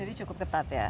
jadi cukup ketat ya